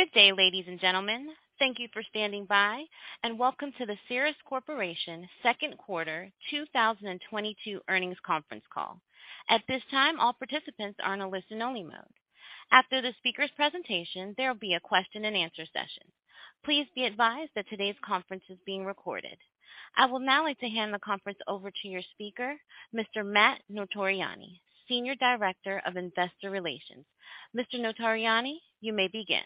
Good day, ladies and gentlemen. Thank you for standing by, and welcome to the Cerus Corporation second quarter 2022 earnings conference call. At this time, all participants are in a listen only mode. After the speaker's presentation, there will be a question-and-answer session. Please be advised that today's conference is being recorded. I would now like to hand the conference over to your speaker, Mr. Matt Notarianni, Senior Director of Investor Relations. Mr. Notarianni, you may begin.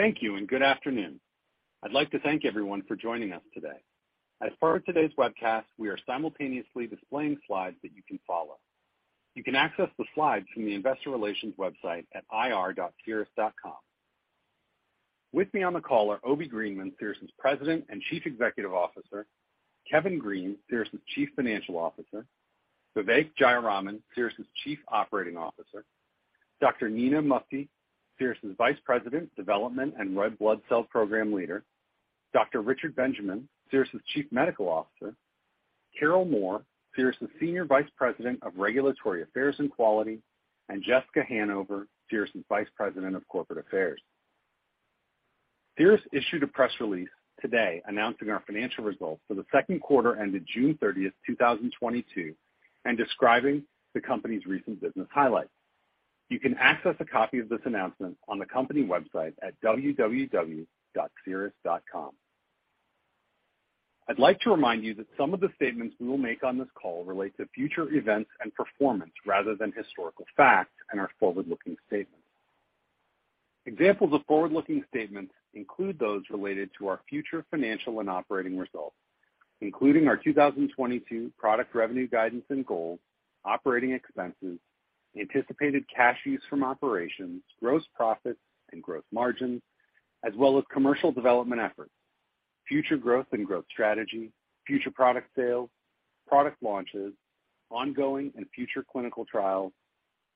Thank you, and good afternoon. I'd like to thank everyone for joining us today. As part of today's webcast, we are simultaneously displaying slides that you can follow. You can access the slides from the investor relations website at ir.cerus.com. With me on the call are Obi Greenman, Cerus' President and Chief Executive Officer, Kevin Green, Cerus' Chief Financial Officer, Vivek Jayaraman, Cerus' Chief Operating Officer, Dr. Nina Mufti, Cerus' Vice President, Development and Red Blood Cell Program Leader, Dr. Richard Benjamin, Cerus' Chief Medical Officer, Carol Moore, Cerus' Senior Vice President of Regulatory Affairs and Quality, and Jessica Hanover, Cerus' Vice President of Corporate Affairs. Cerus issued a press release today announcing our financial results for the second quarter ended June 30, 2022, and describing the company's recent business highlights. You can access a copy of this announcement on the company website at www.cerus.com. I'd like to remind you that some of the statements we will make on this call relate to future events and performance rather than historical facts and are forward-looking statements. Examples of forward-looking statements include those related to our future financial and operating results, including our 2022 product revenue guidance and goals, operating expenses, anticipated cash use from operations, gross profits and growth margins, as well as commercial development efforts, future growth and growth strategy, future product sales, product launches, ongoing and future clinical trials,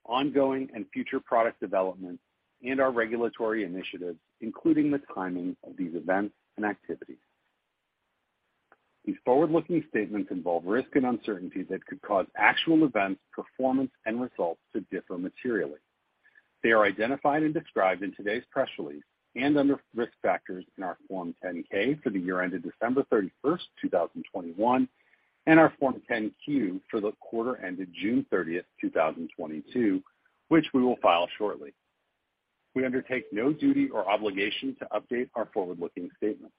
ongoing and future product developments, and our regulatory initiatives, including the timing of these events and activities. These forward-looking statements involve risk and uncertainty that could cause actual events, performance and results to differ materially. They are identified and described in today's press release and under risk factors in our Form 10-K for the year ended December 31, 2021, and our Form 10-Q for the quarter ended June 30, 2022, which we will file shortly. We undertake no duty or obligation to update our forward-looking statements.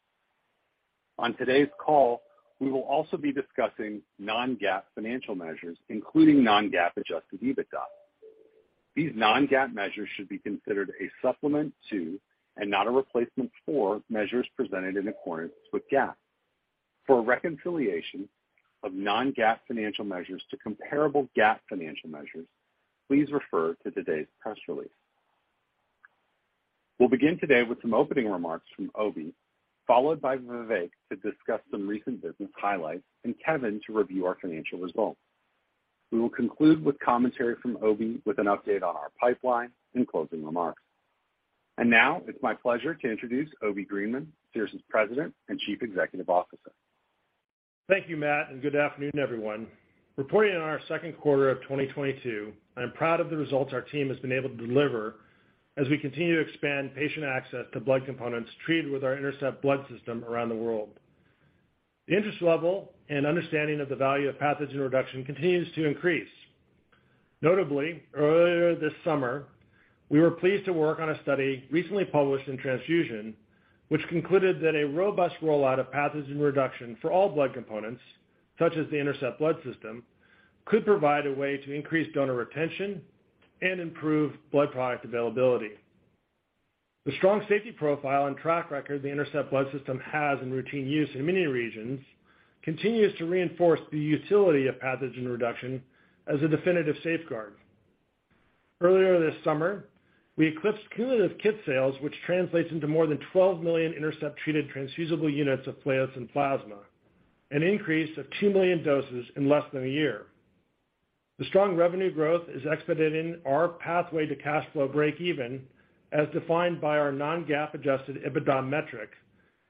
On today's call, we will also be discussing non-GAAP financial measures, including non-GAAP adjusted EBITDA. These non-GAAP measures should be considered a supplement to, and not a replacement for, measures presented in accordance with GAAP. For a reconciliation of non-GAAP financial measures to comparable GAAP financial measures, please refer to today's press release. We'll begin today with some opening remarks from Obi, followed by Vivek to discuss some recent business highlights and Kevin to review our financial results. We will conclude with commentary from Obi with an update on our pipeline and closing remarks. Now it's my pleasure to introduce Obi Greenman, Cerus' President and Chief Executive Officer. Thank you, Matt, and good afternoon, everyone. Reporting on our second quarter of 2022, I'm proud of the results our team has been able to deliver as we continue to expand patient access to blood components treated with our INTERCEPT Blood System around the world. The interest level and understanding of the value of pathogen reduction continues to increase. Notably, earlier this summer, we were pleased to work on a study recently published in Transfusion, which concluded that a robust rollout of pathogen reduction for all blood components, such as the INTERCEPT Blood System, could provide a way to increase donor retention and improve blood product availability. The strong safety profile and track record the INTERCEPT Blood System has in routine use in many regions continues to reinforce the utility of pathogen reduction as a definitive safeguard. Earlier this summer, we eclipsed cumulative kit sales, which translates into more than 12 million INTERCEPT-treated transfusible units of platelets and plasma, an increase of 2 million doses in less than a year. The strong revenue growth is expediting our pathway to cash flow break even, as defined by our non-GAAP adjusted EBITDA metric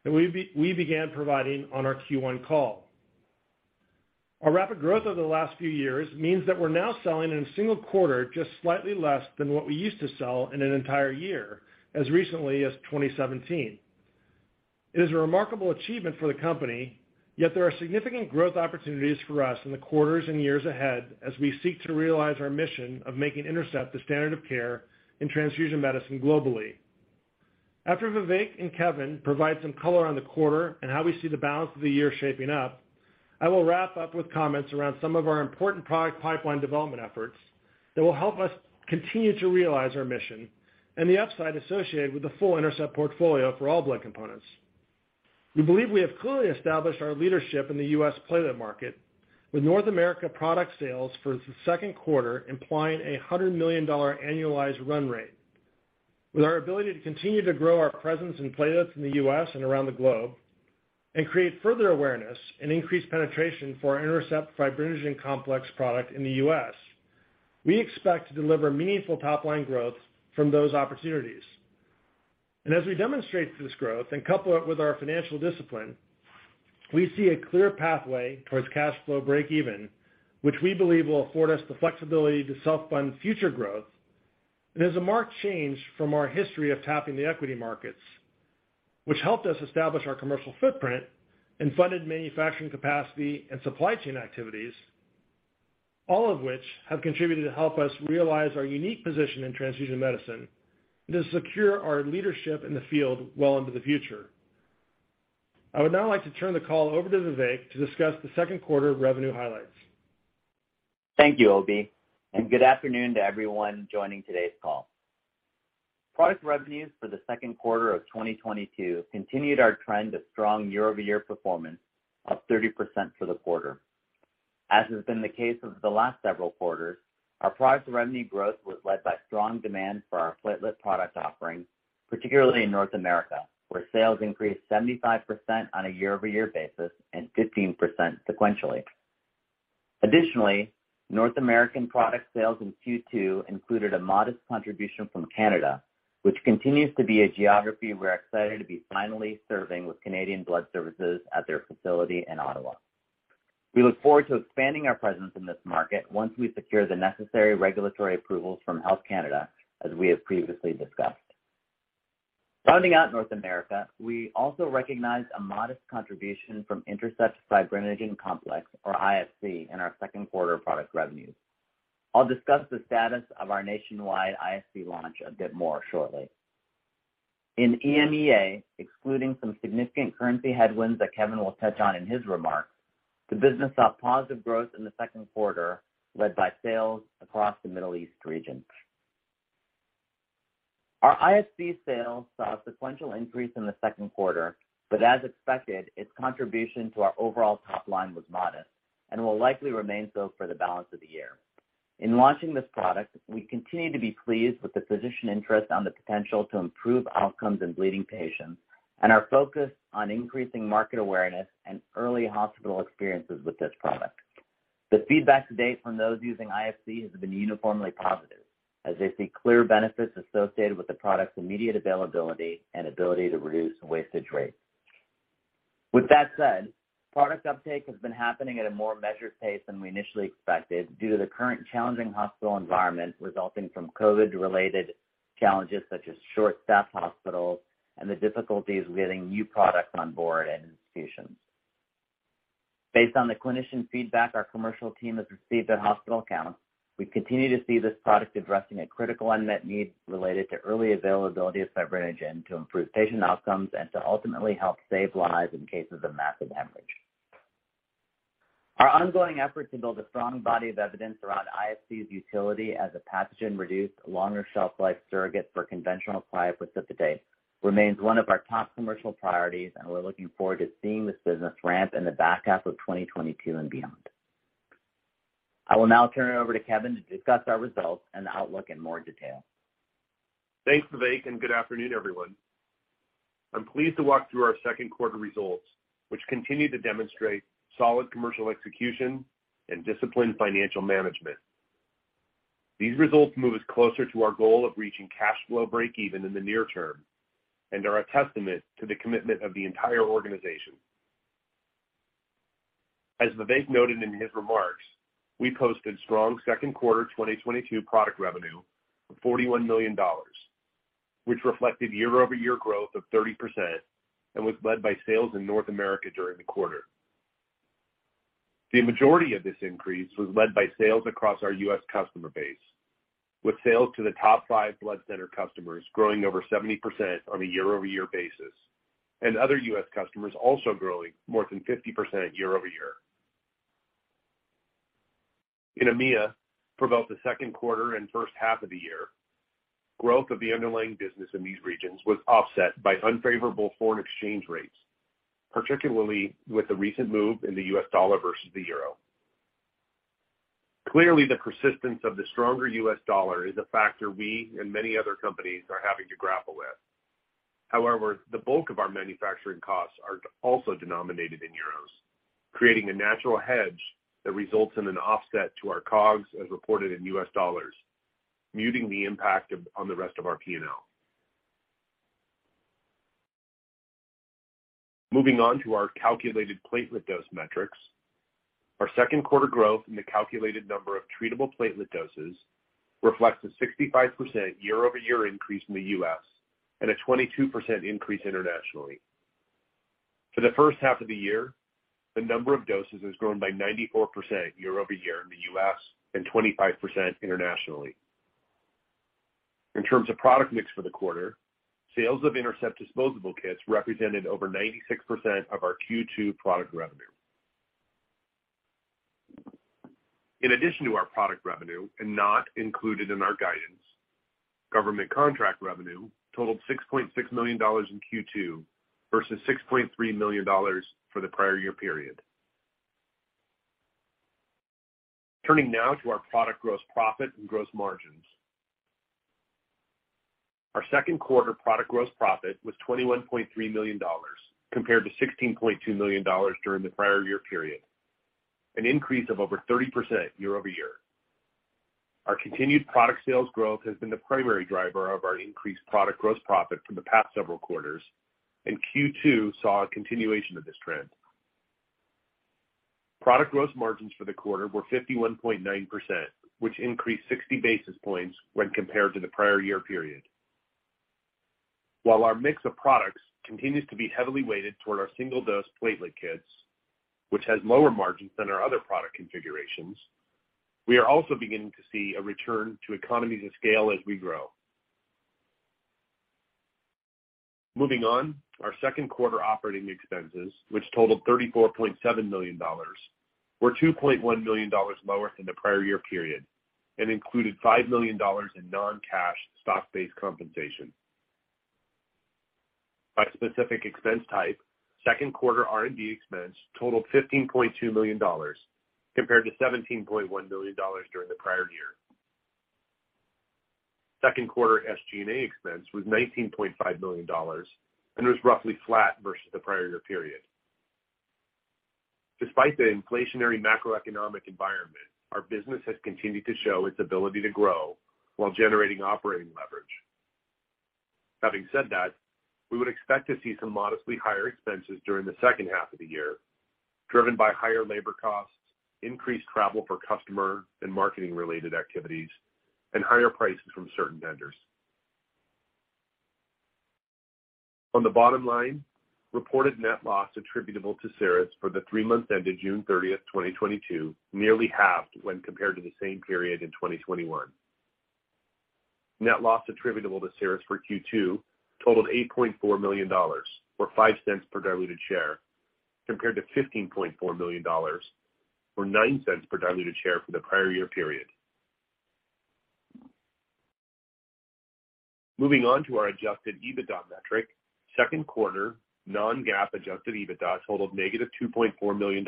that we began providing on our Q1 call. Our rapid growth over the last few years means that we're now selling in a single quarter just slightly less than what we used to sell in an entire year as recently as 2017. It is a remarkable achievement for the company, yet there are significant growth opportunities for us in the quarters and years ahead as we seek to realize our mission of making INTERCEPT the standard of care in transfusion medicine globally. After Vivek and Kevin provide some color on the quarter and how we see the balance of the year shaping up, I will wrap up with comments around some of our important product pipeline development efforts that will help us continue to realize our mission and the upside associated with the full INTERCEPT portfolio for all blood components. We believe we have clearly established our leadership in the U.S. platelet market, with North America product sales for the second quarter implying a $100 million annualized run rate. With our ability to continue to grow our presence in platelets in the U.S. and around the globe and create further awareness and increase penetration for our INTERCEPT Fibrinogen Complex product in the U.S., we expect to deliver meaningful top-line growth from those opportunities. As we demonstrate this growth and couple it with our financial discipline, we see a clear pathway towards cash flow breakeven, which we believe will afford us the flexibility to self-fund future growth. As a marked change from our history of tapping the equity markets, which helped us establish our commercial footprint and funded manufacturing capacity and supply chain activities, all of which have contributed to help us realize our unique position in transfusion medicine and to secure our leadership in the field well into the future. I would now like to turn the call over to Vivek to discuss the second quarter revenue highlights. Thank you, Obi, and good afternoon to everyone joining today's call. Product revenues for the second quarter of 2022 continued our trend of strong year-over-year performance, up 30% for the quarter. As has been the case of the last several quarters, our product revenue growth was led by strong demand for our platelet product offerings, particularly in North America, where sales increased 75% on a year-over-year basis and 15% sequentially. Additionally, North American product sales in Q2 included a modest contribution from Canada, which continues to be a geography we're excited to be finally serving with Canadian Blood Services at their facility in Ottawa. We look forward to expanding our presence in this market once we secure the necessary regulatory approvals from Health Canada, as we have previously discussed. Rounding out North America, we also recognized a modest contribution from INTERCEPT Fibrinogen Complex, or IFC, in our second quarter product revenues. I'll discuss the status of our nationwide IFC launch a bit more shortly. In EMEA, excluding some significant currency headwinds that Kevin will touch on in his remarks, the business saw positive growth in the second quarter, led by sales across the Middle East region. Our IFC sales saw a sequential increase in the second quarter, but as expected, its contribution to our overall top line was modest and will likely remain so for the balance of the year. In launching this product, we continue to be pleased with the physician interest on the potential to improve outcomes in bleeding patients and are focused on increasing market awareness and early hospital experiences with this product. The feedback to date from those using IFC has been uniformly positive, as they see clear benefits associated with the product's immediate availability and ability to reduce wastage rates. With that said, product uptake has been happening at a more measured pace than we initially expected due to the current challenging hospital environment resulting from COVID-related challenges such as short-staffed hospitals and the difficulties with getting new products on board at institutions. Based on the clinician feedback our commercial team has received at hospital accounts, we continue to see this product addressing a critical unmet need related to early availability of fibrinogen to improve patient outcomes and to ultimately help save lives in cases of massive hemorrhage. Our ongoing efforts to build a strong body of evidence around IFC's utility as a pathogen-reduced, longer shelf life surrogate for conventional cryoprecipitate remains one of our top commercial priorities, and we're looking forward to seeing this business ramp in the back half of 2022 and beyond. I will now turn it over to Kevin to discuss our results and the outlook in more detail. Thanks, Vivek, and good afternoon, everyone. I'm pleased to walk through our second quarter results, which continue to demonstrate solid commercial execution and disciplined financial management. These results move us closer to our goal of reaching cash flow breakeven in the near-term and are a testament to the commitment of the entire organization. As Vivek noted in his remarks, we posted strong second-quarter 2022 product revenue of $41 million, which reflected year-over-year growth of 30% and was led by sales in North America during the quarter. The majority of this increase was led by sales across our U.S. customer base, with sales to the top five blood center customers growing over 70% on a year-over-year basis and other U.S. customers also growing more than 50% year-over-year. In EMEA, for both the second quarter and first half of the year, growth of the underlying business in these regions was offset by unfavorable foreign exchange rates, particularly with the recent move in the U.S. dollar versus the euro. Clearly, the persistence of the stronger U.S. dollar is a factor we and many other companies are having to grapple with. However, the bulk of our manufacturing costs are also denominated in euros, creating a natural hedge that results in an offset to our COGS as reported in U.S. dollars, muting the impact on the rest of our P&L. Moving on to our calculated platelet dose metrics. Our second quarter growth in the calculated number of treatable platelet doses reflects a 65% year-over-year increase in the U.S. and a 22% increase internationally. For the first half of the year, the number of doses has grown by 94% year-over-year in the U.S. and 25% internationally. In terms of product mix for the quarter, sales of INTERCEPT disposable kits represented over 96% of our Q2 product revenue. In addition to our product revenue, and not included in our guidance, government contract revenue totaled $6.6 million in Q2 versus $6.3 million for the prior year period. Turning now to our product gross profit and gross margins. Our second quarter product gross profit was $21.3 million compared to $16.2 million during the prior year period, an increase of over 30% year-over-year. Our continued product sales growth has been the primary driver of our increased product gross profit for the past several quarters, and Q2 saw a continuation of this trend. Product gross margins for the quarter were 51.9%, which increased 60 basis points when compared to the prior year period. While our mix of products continues to be heavily weighted toward our single-dose platelet kits, which has lower margins than our other product configurations, we are also beginning to see a return to economies of scale as we grow. Moving on, our second quarter operating expenses, which totaled $34.7 million, were $2.1 million lower than the prior year period and included $5 million in non-cash stock-based compensation. By specific expense type, second quarter R&D expense totaled $15.2 million compared to $17.1 million during the prior year. Second quarter SG&A expense was $19.5 million and was roughly flat versus the prior year period. Despite the inflationary macroeconomic environment, our business has continued to show its ability to grow while generating operating leverage. Having said that, we would expect to see some modestly higher expenses during the second half of the year, driven by higher labor costs, increased travel for customer and marketing-related activities, and higher prices from certain vendors. On the bottom line, reported net loss attributable to Cerus for the three months ended June 30, 2022 nearly halved when compared to the same period in 2021. Net loss attributable to Cerus for Q2 totaled $8.4 million, or $0.05 per diluted share, compared to $15.4 million, or $0.09 per diluted share for the prior year period. Moving on to our adjusted EBITDA metric, second quarter non-GAAP adjusted EBITDA totaled -$2.4 million,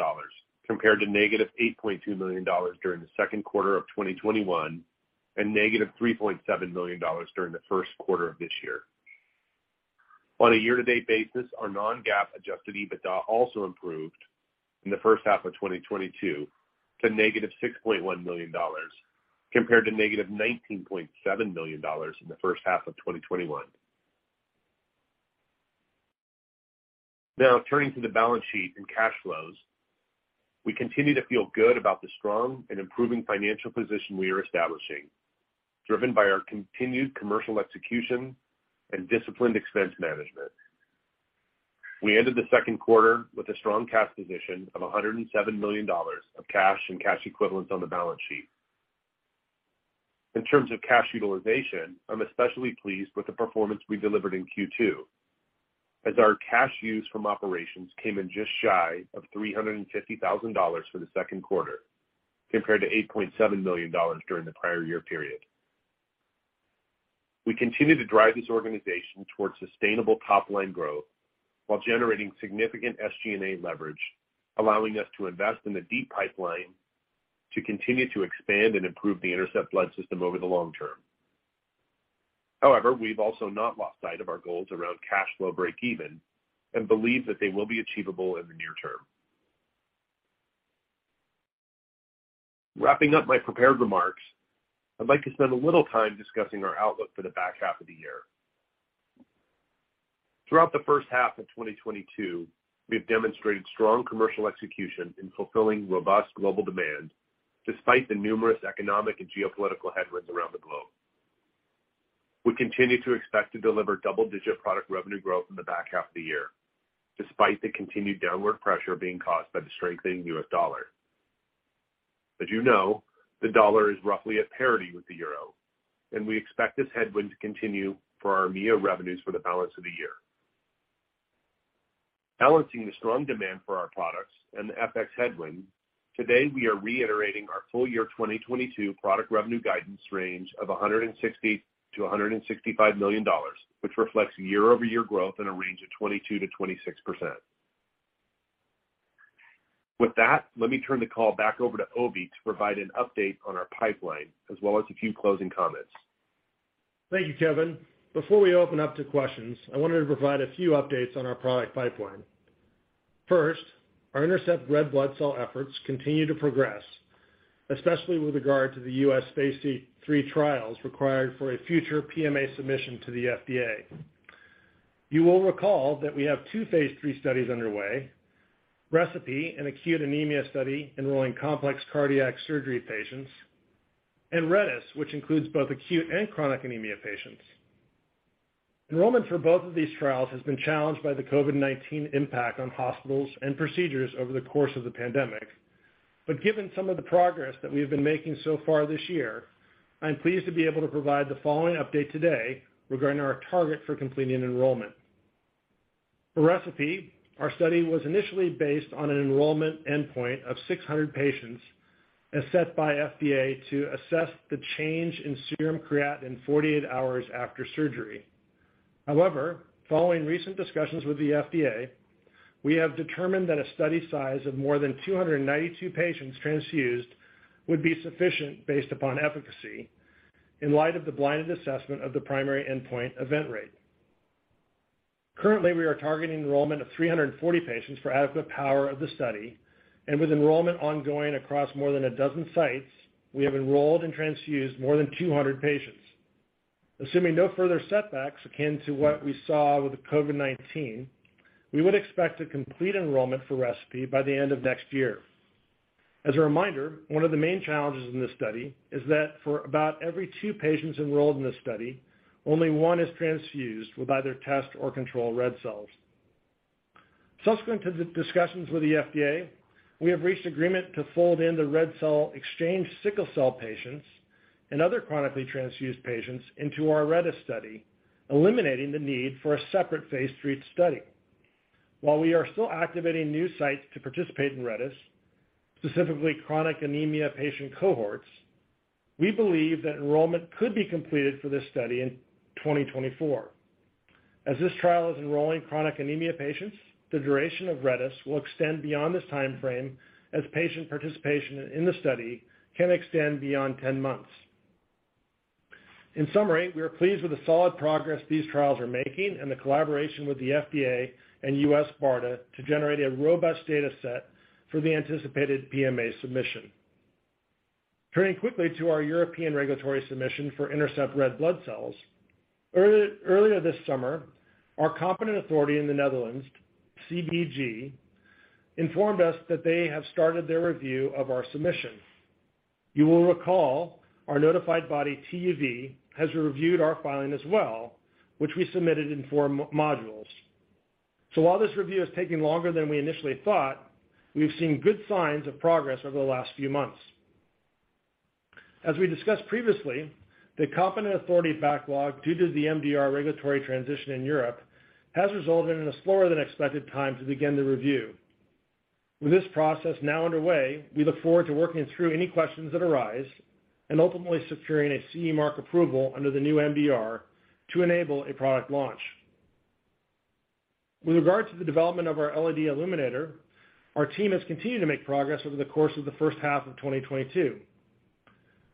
compared to -$8.2 million during the second quarter of 2021 and -$3.7 million during the first quarter of this year. On a year-to-date basis, our non-GAAP adjusted EBITDA also improved in the first half of 2022 to -$6.1 million, compared to -$19.7 million in the first half of 2021. Now, turning to the balance sheet and cash flows. We continue to feel good about the strong and improving financial position we are establishing, driven by our continued commercial execution and disciplined expense management. We ended the second quarter with a strong cash position of $107 million of cash and cash equivalents on the balance sheet. In terms of cash utilization, I'm especially pleased with the performance we delivered in Q2, as our cash use from operations came in just shy of $350,000 for the second quarter, compared to $8.7 million during the prior year period. We continue to drive this organization towards sustainable top-line growth while generating significant SG&A leverage, allowing us to invest in the deep pipeline to continue to expand and improve the INTERCEPT Blood System over the long-term. However, we've also not lost sight of our goals around cash flow breakeven and believe that they will be achievable in the near-term. Wrapping up my prepared remarks, I'd like to spend a little time discussing our outlook for the back half of the year. Throughout the first half of 2022, we have demonstrated strong commercial execution in fulfilling robust global demand despite the numerous economic and geopolitical headwinds around the globe. We continue to expect to deliver double-digit product revenue growth in the back half of the year, despite the continued downward pressure being caused by the strengthening U.S. dollar. As you know, the dollar is roughly at parity with the euro, and we expect this headwind to continue for our EMEA revenues for the balance of the year. Balancing the strong demand for our products and the FX headwind, today we are reiterating our full year 2022 product revenue guidance range of $160 million-$165 million, which reflects year-over-year growth in a range of 22%-26%. With that, let me turn the call back over to Obi to provide an update on our pipeline as well as a few closing comments. Thank you, Kevin. Before we open up to questions, I wanted to provide a few updates on our product pipeline. First, our INTERCEPT red blood cell efforts continue to progress, especially with regard to the U.S. phase III trials required for a future PMA submission to the FDA. You will recall that we have two phase III studies underway, ReCePI, an acute anemia study enrolling complex cardiac surgery patients, and RedeS, which includes both acute and chronic anemia patients. Enrollment for both of these trials has been challenged by the COVID-19 impact on hospitals and procedures over the course of the pandemic. Given some of the progress that we have been making so far this year, I'm pleased to be able to provide the following update today regarding our target for completing enrollment. For ReCePI, our study was initially based on an enrollment endpoint of 600 patients, as set by FDA to assess the change in serum creatinine 48 hours after surgery. However, following recent discussions with the FDA, we have determined that a study size of more than 292 patients transfused would be sufficient based upon efficacy in light of the blinded assessment of the primary endpoint event rate. Currently, we are targeting enrollment of 340 patients for adequate power of the study. With enrollment ongoing across more than a dozen sites, we have enrolled and transfused more than 200 patients. Assuming no further setbacks akin to what we saw with the COVID-19, we would expect to complete enrollment for ReCePI by the end of next year. As a reminder, one of the main challenges in this study is that for about every two patients enrolled in this study, only one is transfused with either test or control red cells. Subsequent to the discussions with the FDA, we have reached agreement to fold in the red cell exchange sickle cell patients and other chronically transfused patients into our RedeS study, eliminating the need for a separate phase III study. While we are still activating new sites to participate in RedeS, specifically chronic anemia patient cohorts, we believe that enrollment could be completed for this study in 2024. As this trial is enrolling chronic anemia patients, the duration of RedeS will extend beyond this time frame as patient participation in the study can extend beyond 10 months. In summary, we are pleased with the solid progress these trials are making and the collaboration with the FDA and U.S. BARDA to generate a robust data set for the anticipated PMA submission. Turning quickly to our European regulatory submission for INTERCEPT red blood cells. Earlier this summer, our competent authority in the Netherlands, CBG, informed us that they have started their review of our submission. You will recall our notified body, TÜV, has reviewed our filing as well, which we submitted in four modules. While this review is taking longer than we initially thought, we've seen good signs of progress over the last few months. As we discussed previously, the competent authority backlog due to the MDR regulatory transition in Europe has resulted in a slower than expected time to begin the review. With this process now underway, we look forward to working through any questions that arise and ultimately securing a CE mark approval under the new MDR to enable a product launch. With regard to the development of our LED illuminator, our team has continued to make progress over the course of the first half of 2022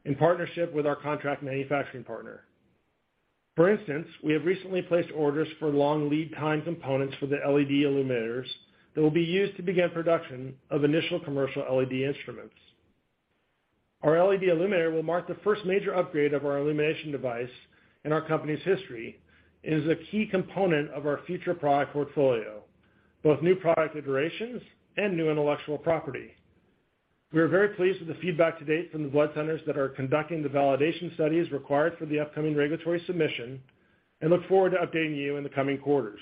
in partnership with our contract manufacturing partner. For instance, we have recently placed orders for long lead time components for the LED illuminators that will be used to begin production of initial commercial LED instruments. Our LED illuminator will mark the first major upgrade of our illumination device in our company's history and is a key component of our future product portfolio, both new product iterations and new intellectual property. We are very pleased with the feedback to date from the blood centers that are conducting the validation studies required for the upcoming regulatory submission and look forward to updating you in the coming quarters.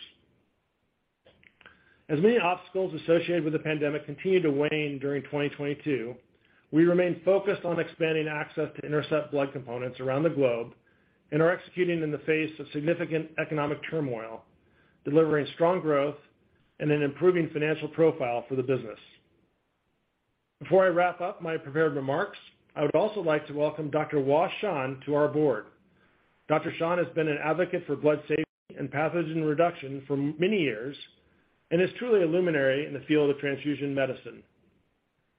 As many obstacles associated with the pandemic continue to wane during 2022, we remain focused on expanding access to INTERCEPT blood components around the globe and are executing in the face of significant economic turmoil, delivering strong growth and an improving financial profile for the business. Before I wrap up my prepared remarks, I would also like to welcome Dr. Hua Shan to our board. Dr. Shan has been an advocate for blood safety and pathogen reduction for many years and is truly a luminary in the field of transfusion medicine.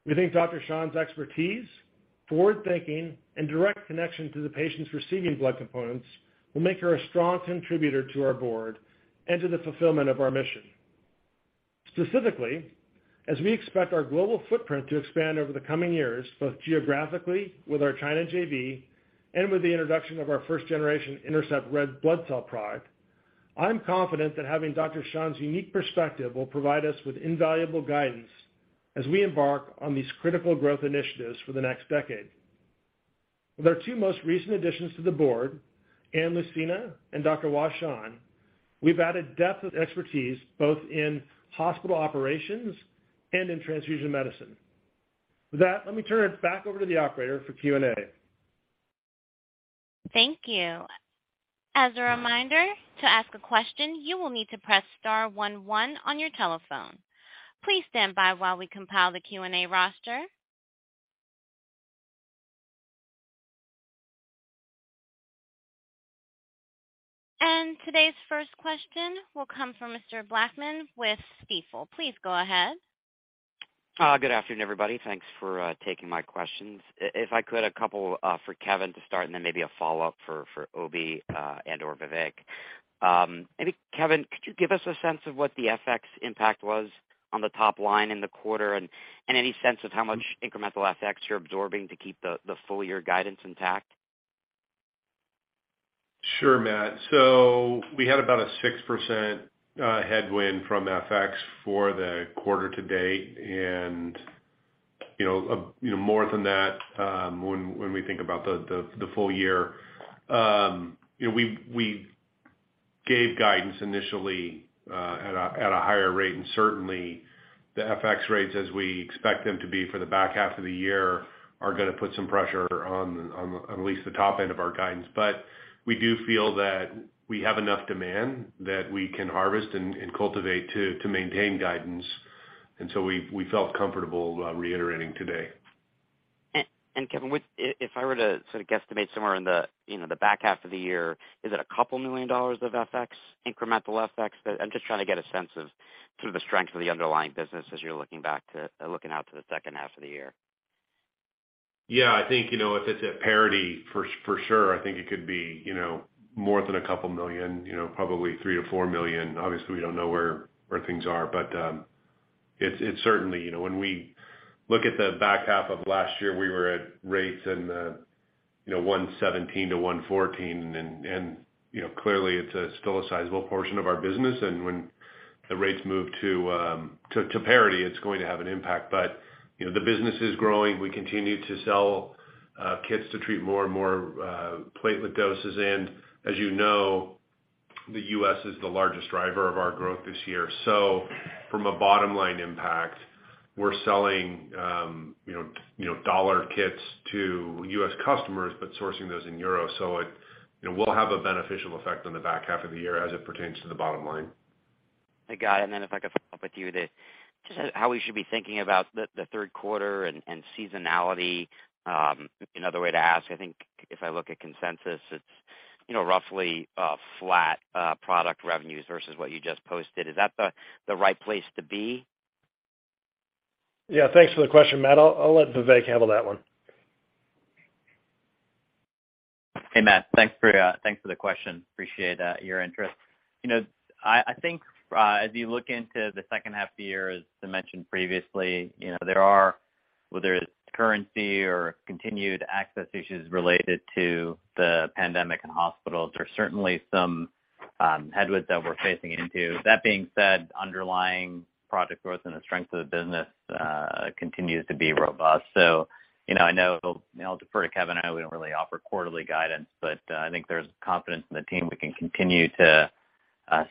We think Dr. Shan's expertise, forward thinking, and direct connection to the patients receiving blood components will make her a strong contributor to our board and to the fulfillment of our mission. Specifically, as we expect our global footprint to expand over the coming years, both geographically with our China JV and with the introduction of our first generation INTERCEPT red blood cell product, I'm confident that having Dr. Shan's unique perspective will provide us with invaluable guidance as we embark on these critical growth initiatives for the next decade. With our two most recent additions to the board, Ann Lucena and Dr. Hua Shan, we've added depth of expertise both in hospital operations and in transfusion medicine. With that, let me turn it back over to the operator for Q&A. Thank you. As a reminder, to ask a question, you will need to press star one one on your telephone. Please stand by while we compile the Q&A roster. Today's first question will come from Mr. Blackman with Stifel. Please go ahead. Good afternoon, everybody. Thanks for taking my questions. If I could, a couple for Kevin to start and then maybe a follow-up for Obi, and/or Vivek. Maybe Kevin, could you give us a sense of what the FX impact was on the top line in the quarter and any sense of how much incremental FX you're absorbing to keep the full year guidance intact? Sure, Matt. We had about a 6% headwind from FX for the quarter to date, more than that when we think about the full year. We gave guidance initially at a higher rate, and certainly the FX rates as we expect them to be for the back half of the year are gonna put some pressure on at least the top end of our guidance. We do feel that we have enough demand that we can harvest and cultivate to maintain guidance. We felt comfortable reiterating today. Kevin, if I were to sort of guesstimate somewhere in the, you know, the back half of the year, is it a couple million dollars of FX, incremental FX? I'm just trying to get a sense of sort of the strength of the underlying business as you're looking out to the second half of the year. Yeah, I think, you know, if it's at parity for sure, I think it could be, you know, more than a couple million, you know, probably $3 million-$4 million. Obviously, we don't know where things are, but it's certainly. You know, when we look at the back half of last year, we were at rates in the, you know, 1.17-1.14, and, you know, clearly it's still a sizable portion of our business. When the rates move to parity, it's going to have an impact. But, you know, the business is growing. We continue to sell kits to treat more and more platelet doses. As you know, the U.S. is the largest driver of our growth this year. From a bottom-line impact, we're selling, you know, dollar kits to U.S. customers, but sourcing those in euro. It, you know, will have a beneficial effect on the back half of the year as it pertains to the bottom line. I got it. If I could follow up with you, just how we should be thinking about the third quarter and seasonality. Another way to ask, I think if I look at consensus, it's, you know, roughly flat, product revenues versus what you just posted. Is that the right place to be? Yeah. Thanks for the question, Matt. I'll let Vivek handle that one. Hey, Matt, thanks for the question. Appreciate your interest. You know, I think as you look into the second half of the year, as I mentioned previously, you know, there are, whether it's currency or continued access issues related to the pandemic and hospitals, there are certainly some headwinds that we're facing. That being said, underlying product growth and the strength of the business continues to be robust. You know, I know, I'll defer to Kevin. I know we don't really offer quarterly guidance, but I think there's confidence in the team we can continue to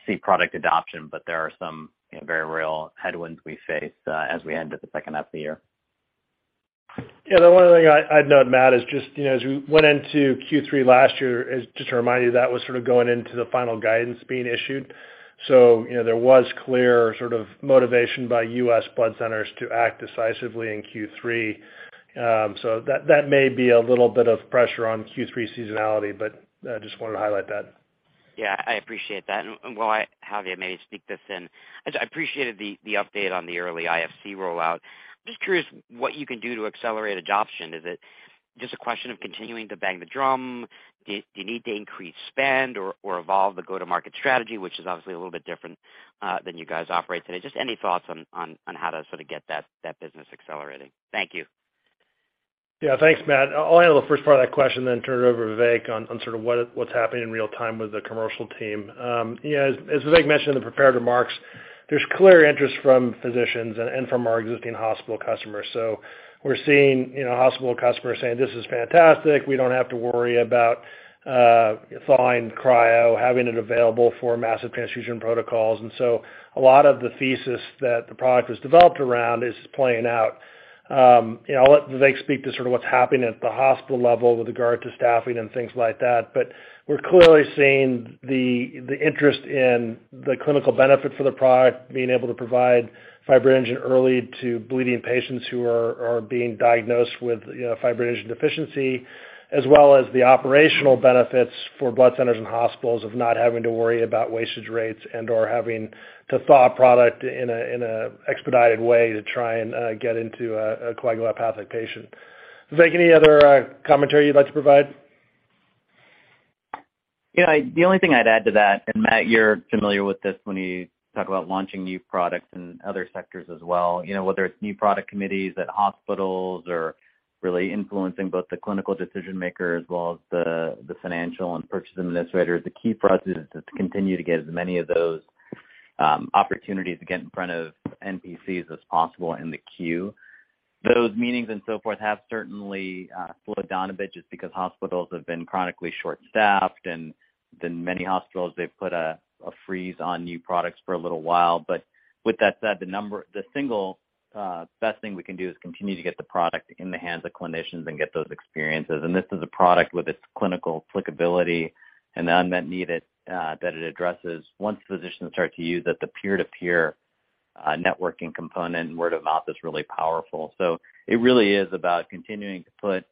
see product adoption, but there are some very real headwinds we face as we enter the second half of the year. Yeah. The one other thing I'd note, Matt, is just, you know, as we went into Q3 last year, is just to remind you that was sort of going into the final guidance being issued. You know, there was clear sort of motivation by U.S. blood centers to act decisively in Q3. That may be a little bit of pressure on Q3 seasonality, but I just wanted to highlight that. Yeah, I appreciate that. While I have you, I just appreciated the update on the early IFC rollout. Just curious what you can do to accelerate adoption. Is it just a question of continuing to bang the drum? Do you need to increase spend or evolve the go-to-market strategy, which is obviously a little bit different than you guys operate today? Just any thoughts on how to sort of get that business accelerating. Thank you. Yeah. Thanks, Matt. I'll handle the first part of that question then turn it over to Vivek on sort of what's happening in real-time with the commercial team. Yeah, as Vivek mentioned in the prepared remarks, there's clear interest from physicians and from our existing hospital customers. We're seeing, you know, hospital customers saying, "This is fantastic. We don't have to worry about thawing cryo, having it available for massive transfusion protocols." A lot of the thesis that the product was developed around is playing out. You know, I'll let Vivek speak to sort of what's happening at the hospital level with regard to staffing and things like that. We're clearly seeing the interest in the clinical benefit for the product, being able to provide fibrinogen early to bleeding patients who are being diagnosed with, you know, fibrinogen deficiency, as well as the operational benefits for blood centers and hospitals of not having to worry about wastage rates and/or having to thaw a product in a expedited way to try and get into a coagulopathic patient. Vivek, any other commentary you'd like to provide? Yeah. The only thing I'd add to that, and Matt, you're familiar with this when you talk about launching new products in other sectors as well, you know, whether it's new product committees at hospitals or really influencing both the clinical decision-makers as well as the financial and purchasing administrators, the key for us is to continue to get as many of those opportunities to get in front of NPCs as possible in the queue. Those meetings and so forth have certainly slowed down a bit just because hospitals have been chronically short-staffed, and then many hospitals, they've put a freeze on new products for a little while. With that said, the single best thing we can do is continue to get the product in the hands of clinicians and get those experiences. This is a product with its clinical applicability and the unmet need it that it addresses. Once physicians start to use it, the peer-to-peer networking component and word of mouth is really powerful. It really is about continuing to put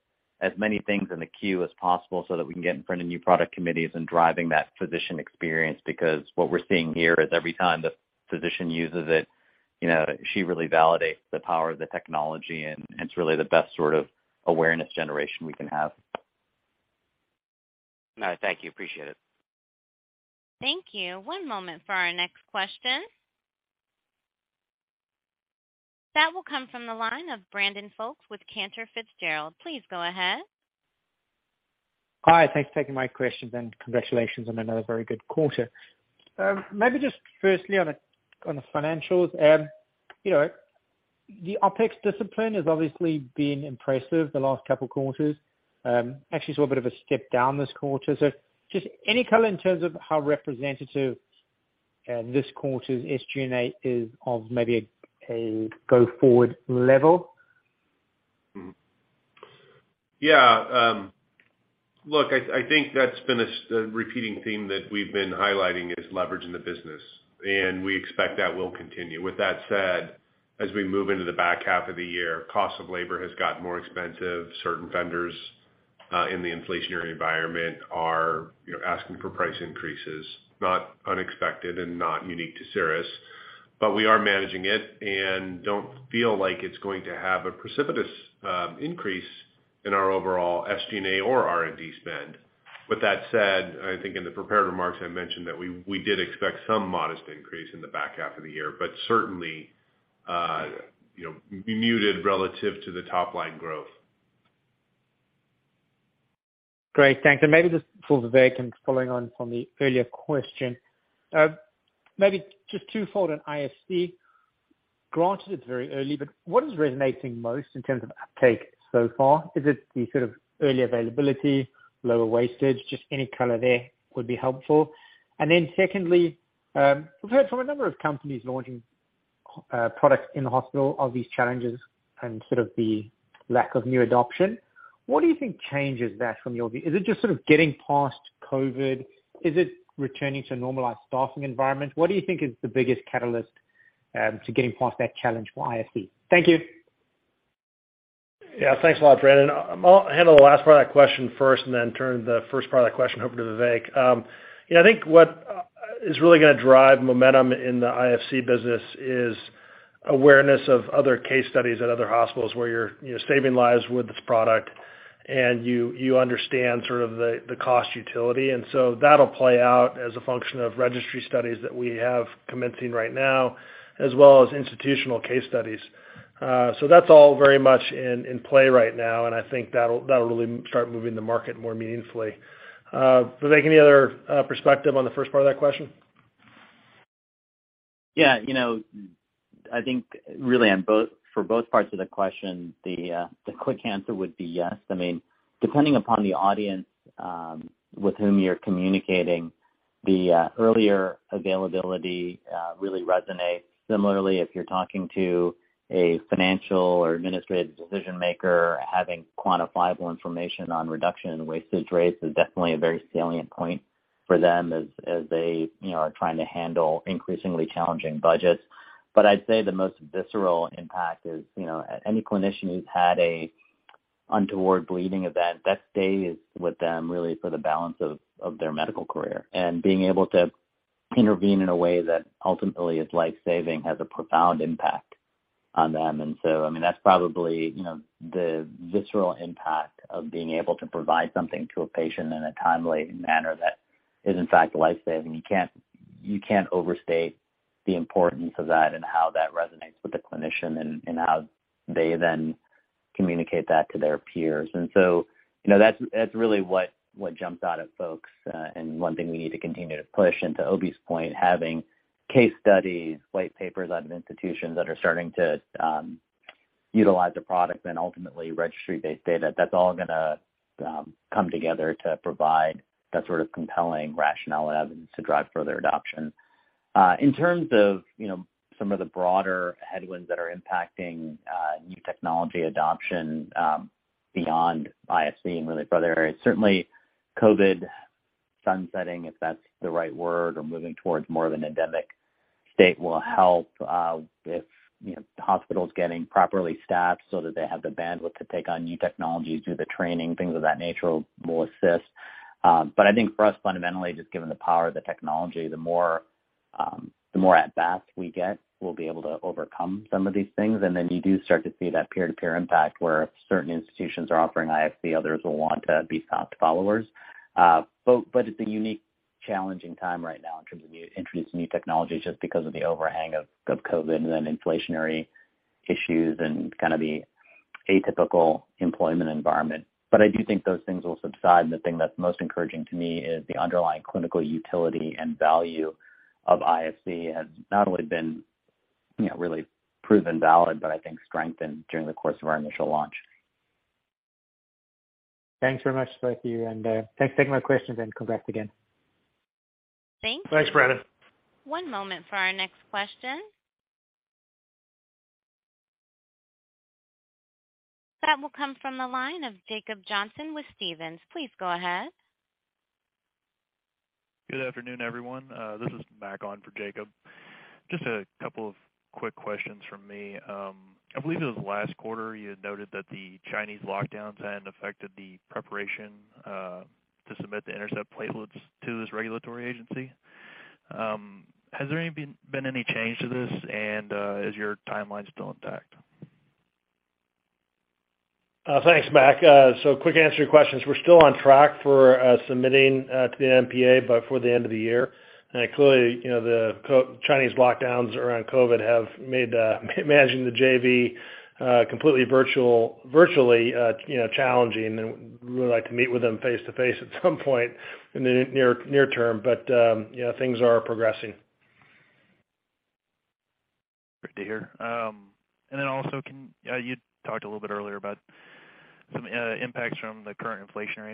as many things in the queue as possible so that we can get in front of new product committees and driving that physician experience. Because what we're seeing here is every time the physician uses it, you know, she really validates the power of the technology, and it's really the best sort of awareness generation we can have. No, thank you. Appreciate it. Thank you. One moment for our next question. That will come from the line of Brandon Folkes with Cantor Fitzgerald. Please go ahead. Hi. Thanks for taking my questions, and congratulations on another very good quarter. Maybe just firstly on the financials. You know, the OpEx discipline has obviously been impressive the last couple quarters. Actually saw a bit of a step down this quarter. Just any color in terms of how representative this quarter's SG&A is of maybe a go-forward level? Yeah. Look, I think that's been a repeating theme that we've been highlighting is leverage in the business, and we expect that will continue. With that said, as we move into the back half of the year, cost of labor has gotten more expensive. Certain vendors- In the inflationary environment are, you know, asking for price increases, not unexpected and not unique to Cerus, but we are managing it and don't feel like it's going to have a precipitous increase in our overall SG&A or R&D spend. With that said, I think in the prepared remarks, I mentioned that we did expect some modest increase in the back half of the year, but certainly, you know, muted relative to the top line growth. Great. Thanks. Maybe just for Vivek and following on from the earlier question. Maybe just twofold on IFC. Granted, it's very early, but what is resonating most in terms of uptake so far? Is it the sort of early availability, lower wastage? Just any color there would be helpful. Then secondly, we've heard from a number of companies launching products in the hospital of these challenges and sort of the lack of new adoption. What do you think changes that from your view? Is it just sort of getting past COVID? Is it returning to normalized staffing environment? What do you think is the biggest catalyst to getting past that challenge for IFC? Thank you. Yeah. Thanks a lot, Brandon. I'll handle the last part of that question first and then turn the first part of that question over to Vivek. Yeah, I think what is really gonna drive momentum in the IFC business is awareness of other case studies at other hospitals where you're, you know, saving lives with this product and you understand sort of the cost utility. That'll play out as a function of registry studies that we have commencing right now, as well as institutional case studies. That's all very much in play right now, and I think that'll really start moving the market more meaningfully. Vivek, any other perspective on the first part of that question? Yeah. You know, I think really for both parts of the question, the quick answer would be yes. I mean, depending upon the audience with whom you're communicating the earlier availability really resonates. Similarly, if you're talking to a financial or administrative decision-maker, having quantifiable information on reduction in wastage rates is definitely a very salient point for them as they, you know, are trying to handle increasingly challenging budgets. But I'd say the most visceral impact is, you know, any clinician who's had an untoward bleeding event, that stays with them really for the balance of their medical career. Being able to intervene in a way that ultimately is life-saving has a profound impact on them. I mean, that's probably, you know, the visceral impact of being able to provide something to a patient in a timely manner that is in fact life-saving. You can't overstate the importance of that and how that resonates with the clinician and how they then communicate that to their peers. That's really what jumps out at folks. One thing we need to continue to push, and to Obi's point, having case studies, white papers out of institutions that are starting to utilize a product, then ultimately registry-based data, that's all gonna come together to provide that sort of compelling rationale evidence to drive further adoption. In terms of, you know, some of the broader headwinds that are impacting new technology adoption, beyond IFC and really further areas, certainly COVID sunsetting, if that's the right word, or moving towards more of an endemic state will help. If, you know, hospitals getting properly staffed so that they have the bandwidth to take on new technologies, do the training, things of that nature will assist. But I think for us, fundamentally, just given the power of the technology, the more at bat we get, we'll be able to overcome some of these things. Then you do start to see that peer-to-peer impact where certain institutions are offering IFC, others will want to be fast followers. It's a unique, challenging time right now in terms of introducing new technologies just because of the overhang of COVID and then inflationary issues and kind of the atypical employment environment. I do think those things will subside. The thing that's most encouraging to me is the underlying clinical utility and value of IFC has not only been, you know, really proven valid, but I think strengthened during the course of our initial launch. Thanks very much, both of you. Thanks for taking my questions and congrats again. Thanks, Brandon. One moment for our next question. That will come from the line of Jacob Johnson with Stephens. Please go ahead. Good afternoon, everyone. This is Mac on for Jacob. Just a couple of quick questions from me. I believe it was last quarter you had noted that the Chinese lockdowns had affected the preparation to submit the INTERCEPT platelets to this regulatory agency. Has there been any change to this? Is your timelines still intact? Thanks, Mac. So quick answer your questions. We're still on track for submitting to the NMPA before the end of the year. Clearly, you know, the Chinese lockdowns around COVID have made managing the JV completely virtually, you know, challenging, and we'd like to meet with them face-to-face at some point in the near-term. Things are progressing. Great to hear. You talked a little bit earlier about some impacts from the current inflationary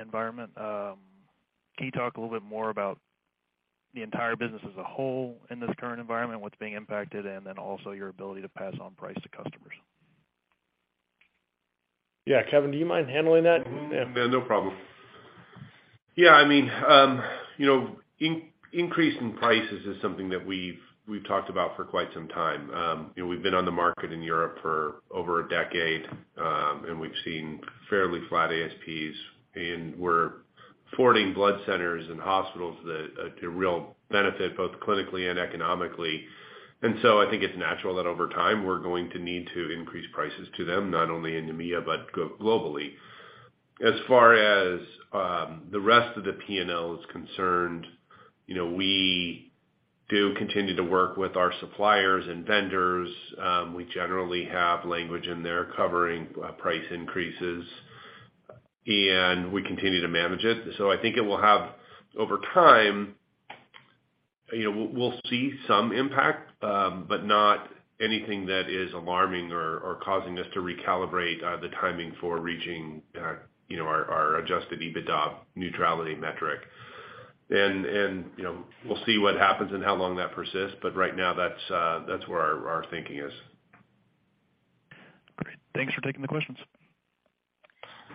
environment. Can you talk a little bit more about the entire business as a whole in this current environment, what's being impacted, and then also your ability to pass on price to customers? Yeah. Kevin, do you mind handling that? Yeah, no problem. Yeah, I mean, you know, increase in prices is something that we've talked about for quite some time. You know, we've been on the market in Europe for over a decade, and we've seen fairly flat ASPs, and we're forwarding blood centers and hospitals the real benefit, both clinically and economically. I think it's natural that over time, we're going to need to increase prices to them, not only in EMEA, but globally. As far as the rest of the P&L is concerned, you know, we do continue to work with our suppliers and vendors. We generally have language in there covering price increases, and we continue to manage it. I think it will have over time, you know, we'll see some impact, but not anything that is alarming or causing us to recalibrate the timing for reaching, you know, our adjusted EBITDA neutrality metric. You know, we'll see what happens and how long that persists. Right now, that's where our thinking is. Great. Thanks for taking the questions.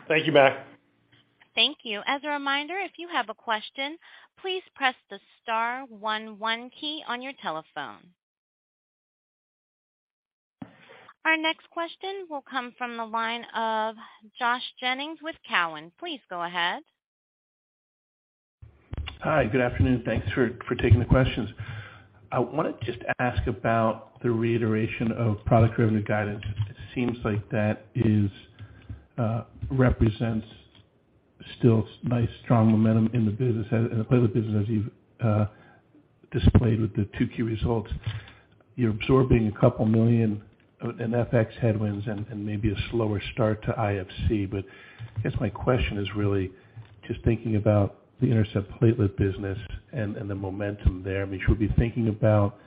Thank you, Mac. Thank you. As a reminder, if you have a question, please press the star one one key on your telephone. Our next question will come from the line of Josh Jennings with Cowen. Please go ahead. Hi, good afternoon. Thanks for taking the questions. I wanna just ask about the reiteration of product revenue guidance. It seems like that represents still nice, strong momentum in the business in the platelet business as you've displayed with the 2Q results. You're absorbing a couple million in FX headwinds and maybe a slower start to IFC. I guess my question is really just thinking about the INTERCEPT platelet business and the momentum there. I mean, should we be thinking about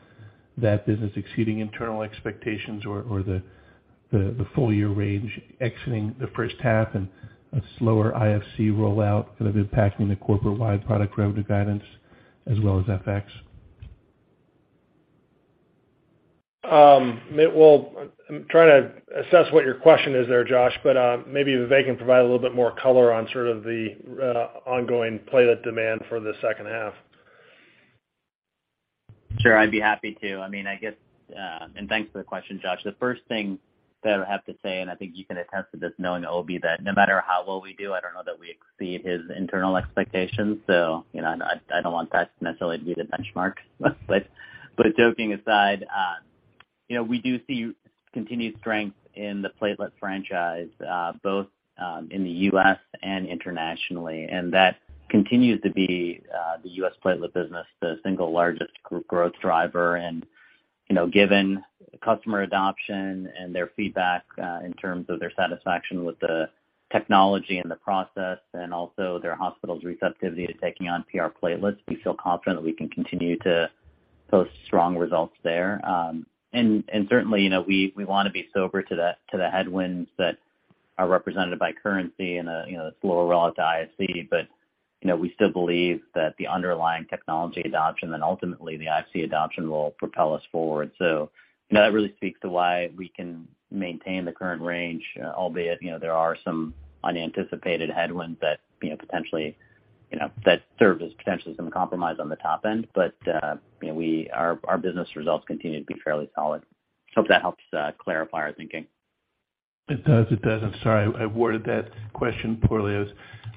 that business exceeding internal expectations or the full year range exiting the first half and a slower IFC rollout kind of impacting the corporate-wide product revenue guidance as well as FX? Well, I'm trying to assess what your question is there, Josh, but maybe Vivek can provide a little bit more color on sort of the ongoing platelet demand for the second half. Sure. I'd be happy to. I mean, I guess, and thanks for the question, Josh. The first thing that I have to say, and I think you can attest to this knowing Obi, that no matter how well we do, I don't know that we exceed his internal expectations. You know, I don't want that to necessarily be the benchmark. Joking aside, you know, we do see continued strength in the platelet franchise, both in the U.S. and internationally, and that continues to be the U.S. platelet business, the single largest growth driver. You know, given the customer adoption and their feedback, in terms of their satisfaction with the technology and the process, and also their hospital's receptivity to taking on PR platelets, we feel confident that we can continue to post strong results there. Certainly, you know, we wanna be sober to the headwinds that are represented by currency and the slower rollout to IFC. You know, we still believe that the underlying technology adoption, and ultimately the IFC adoption will propel us forward. You know, that really speaks to why we can maintain the current range, albeit, you know, there are some unanticipated headwinds that, you know, potentially, you know, that serve as potentially some compromise on the top end. You know, our business results continue to be fairly solid. Hope that helps clarify our thinking. It does. I'm sorry I worded that question poorly. I was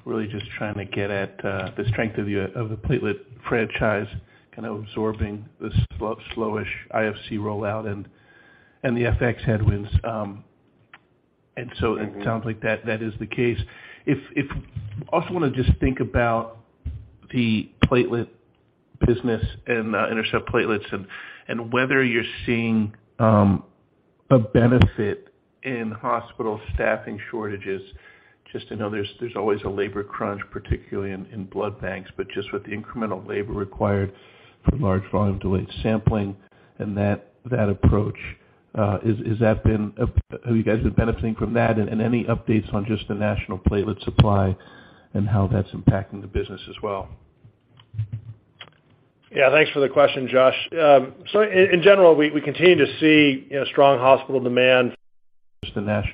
really just trying to get at the strength of the platelet franchise kind of absorbing the slowish IFC rollout and the FX headwinds. So it sounds like that is the case. If also wanna just think about the platelet business and INTERCEPT platelets and whether you're seeing a benefit in hospital staffing shortages, just to know there's always a labor crunch, particularly in blood banks, but just with the incremental labor required for large volume delayed sampling and that approach, is that been a benefit? Have you guys been benefiting from that? Any updates on just the national platelet supply and how that's impacting the business as well? Yeah, thanks for the question, Josh. In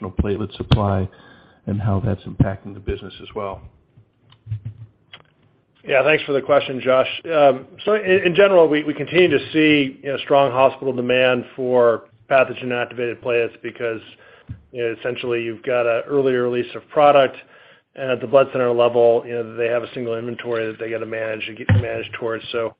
general, we continue to see, you know, strong hospital demand for pathogen inactivated platelets because, you know, essentially you've got an earlier release of product and at the blood center level, you know, they have a single inventory that they gotta manage towards. So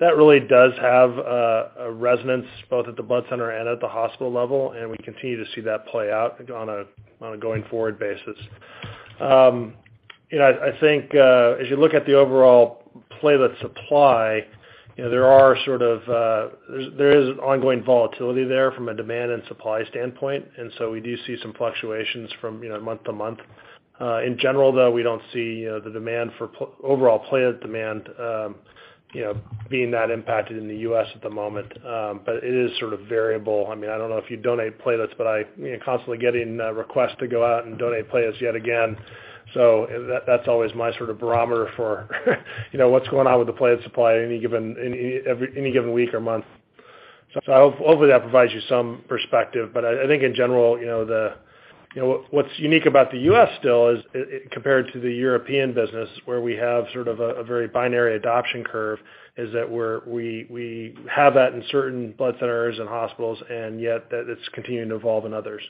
that really does have a resonance both at the blood center and at the hospital level, and we continue to see that play out on a going forward basis. You know, I think as you look at the overall platelet supply, you know, there is ongoing volatility there from a demand and supply standpoint, and so we do see some fluctuations from, you know, month to month. In general, though, we don't see, you know, overall platelet demand, you know, being that impacted in the U.S. at the moment. It is sort of variable. I mean, I don't know if you donate platelets, but I am constantly getting requests to go out and donate platelets yet again. That's always my sort of barometer for, you know, what's going on with the platelet supply any given week or month. Hopefully that provides you some perspective. You know, what's unique about the U.S. still is, compared to the European business, where we have sort of a very binary adoption curve, is that we have that in certain blood centers and hospitals, and yet that it's continuing to evolve in others.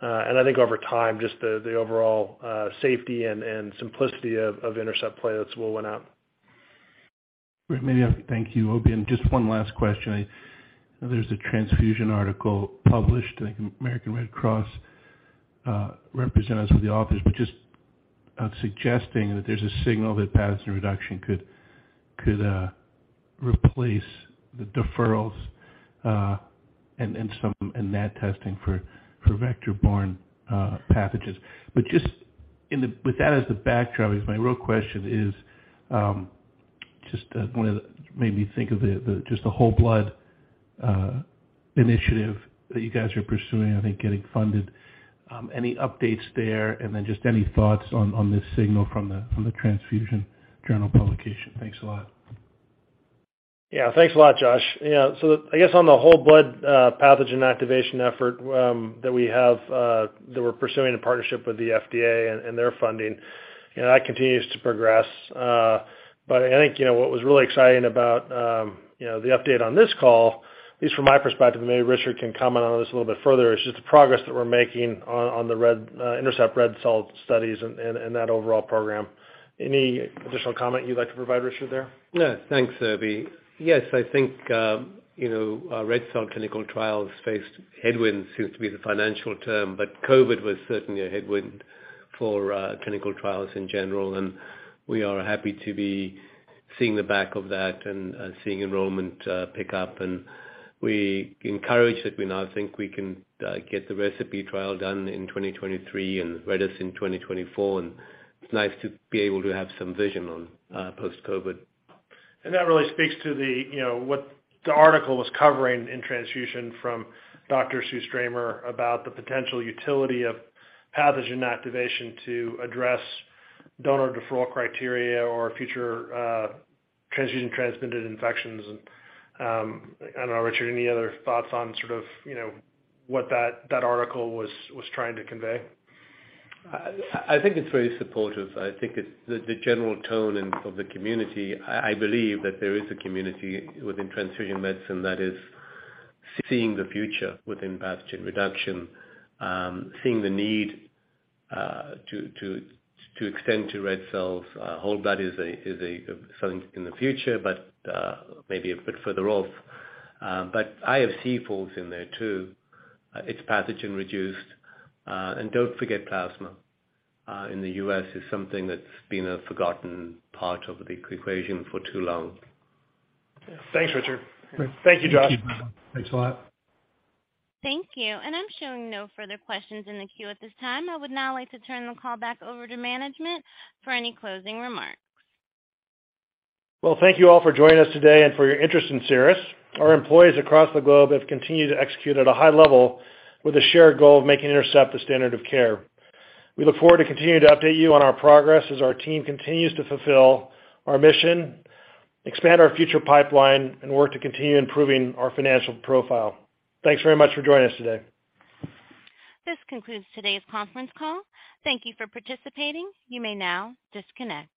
I think over time, just the overall safety and simplicity of INTERCEPT platelets will win out. Great. Maybe I have to thank you, Obi. Just one last question. I know there's a Transfusion article published, I think American Red Cross representatives of the authors, but just suggesting that there's a signal that pathogen reduction could replace the deferrals and that testing for vector-borne pathogens. Just with that as the backdrop, I guess my real question is just made me think of the whole blood initiative that you guys are pursuing, I think getting funded. Any updates there? Then just any thoughts on this signal from the Transfusion journal publication. Thanks a lot. Yeah. Thanks a lot, Josh. Yeah. I guess on the whole blood pathogen inactivation effort that we have that we're pursuing in partnership with the FDA and their funding, you know, that continues to progress. I think, you know, what was really exciting about, you know, the update on this call, at least from my perspective, and maybe Richard can comment on this a little bit further, is just the progress that we're making on INTERCEPT red cell studies and that overall program. Any additional comment you'd like to provide, Richard, there? No. Thanks, Obi. Yes, I think you know our red cell clinical trials faced headwinds, seems to be the financial term, but COVID was certainly a headwind for clinical trials in general, and we are happy to be seeing the back of that and seeing enrollment pick up. We're encouraged that we now think we can get the ReCePI trial done in 2023 and readout in 2024. It's nice to be able to have some vision on post-COVID. That really speaks to the, you know, what the article was covering in Transfusion from Dr. Susan Stramer about the potential utility of pathogen inactivation to address donor deferral criteria or future, transfusion transmitted infections. I don't know, Richard, any other thoughts on sort of, you know, what that article was trying to convey? I think it's very supportive. I think it's the general tone of the community. I believe that there is a community within transfusion medicine that is seeing the future within pathogen reduction, seeing the need to extend to red cells. Whole blood is something in the future, but maybe a bit further off. IFC falls in there too. It's pathogen reduced. Don't forget plasma in the U.S. is something that's been a forgotten part of the equation for too long. Thanks, Richard. Thank you, Josh. Thank you very much. Thanks a lot. Thank you. I'm showing no further questions in the queue at this time. I would now like to turn the call back over to management for any closing remarks. Well, thank you all for joining us today and for your interest in Cerus. Our employees across the globe have continued to execute at a high level with the shared goal of making INTERCEPT the standard of care. We look forward to continuing to update you on our progress as our team continues to fulfill our mission, expand our future pipeline, and work to continue improving our financial profile. Thanks very much for joining us today. This concludes today's conference call. Thank you for participating. You may now disconnect.